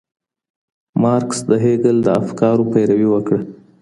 مارکس د هیګل د افکارو پیروي وکړه.